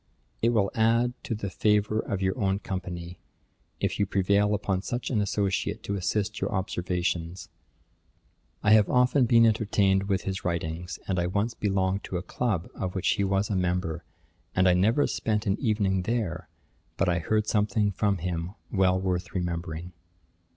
It will add to the favour of your own company, if you prevail upon such an associate, to assist your observations. I have often been entertained with his writings, and I once belonged to a club of which he was a member, and I never spent an evening there, but I heard something from him well worth remembering."